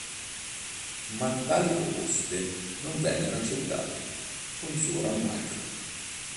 Ma tali proposte non vennero accettate, con suo rammarico.